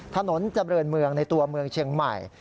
ถนนเจริญเมืองในตัวเมืองเชียงใหม่